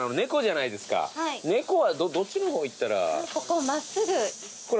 猫はどっちの方行ったら？